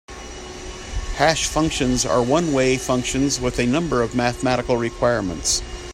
Hash functions are one-way functions with a number of mathematical requirements.